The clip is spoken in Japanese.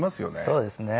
そうですね。